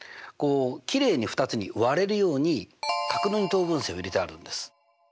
きれいに２つに割れるように角の二等分線を入れてあるんです。